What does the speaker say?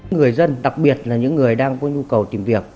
người dân đặc biệt là những người đang có nhu cầu tìm việc